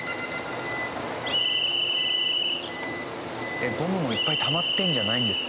えっゴムもいっぱいたまってるんじゃないんですか？